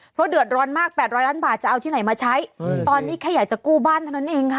เพราะเดือดร้อนมาก๘๐๐ล้านบาทจะเอาที่ไหนมาใช้ตอนนี้แค่อยากจะกู้บ้านเท่านั้นเองค่ะ